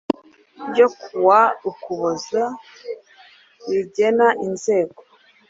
ryo kuwa ukuboza rigena inzego